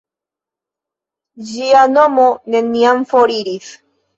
Ĝia nomo neniam foriris.